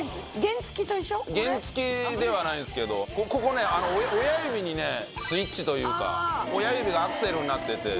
原付ではないんですけどここ親指にねスイッチというか親指がアクセルになってて。